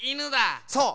そう。